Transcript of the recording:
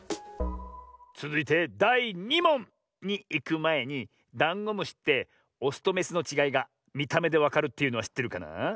つづいてだい２もん！にいくまえにダンゴムシってオスとメスのちがいがみためでわかるというのはしってるかな？